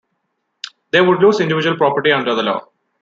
They would lose individual property under the law.